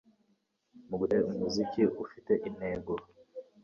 mu guteza imbere umuziki ufite intego